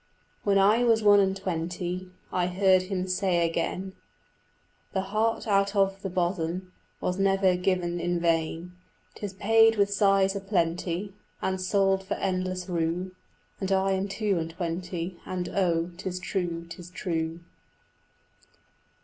When I was one and twenty I heard him say again, "The heart out of the bosom Was never given in vain; 'Tis paid with sighs a plenty And sold for endless rue." And I am two and twenty, And oh, 'tis true, 'tis true.